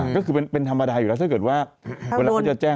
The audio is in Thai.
ก็คือเป็นธรรมดาอยู่แล้วถ้าเกิดว่าเวลาเขาจะแจ้ง